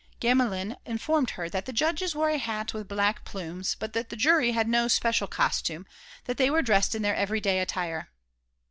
Gamelin informed her that the judges wore a hat with black plumes, but that the jury had no special costume, that they were dressed in their every day attire.